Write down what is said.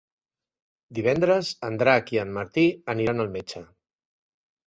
Divendres en Drac i en Martí aniran al metge.